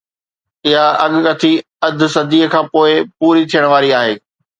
اها اڳڪٿي اڌ صديءَ کان پوءِ پوري ٿيڻ واري آهي.